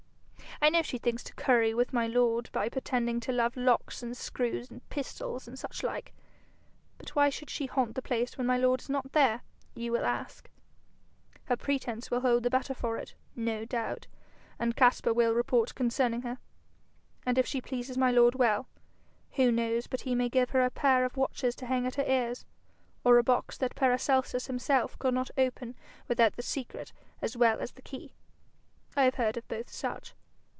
I know she thinks to curry with my lord by pretending to love locks and screws and pistols and such like. "But why should she haunt the place when my lord is not there?" you will ask. Her pretence will hold the better for it, no doubt, and Caspar will report concerning her. And if she pleases my lord well, who knows but he may give her a pair of watches to hang at her ears, or a box that Paracelsus himself could not open without the secret as well as the key? I have heard of both such.